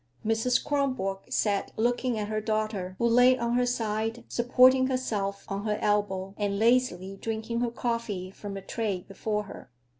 Mrs. Kronborg sat looking at her daughter, who lay on her side, supporting herself on her elbow and lazily drinking her coffee from the tray before her.